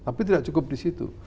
tapi tidak cukup di situ